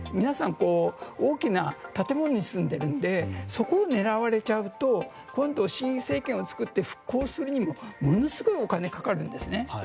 皆さん大きな建物に住んでいるのでそこを狙われちゃうと今度、新政権を作って復興するにも、ものすごいお金がかかるんですね。